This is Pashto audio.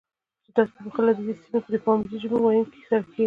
چې تاسې په خپله د دې سیمې د پامیري ژبو ویونکو سره کښېنئ،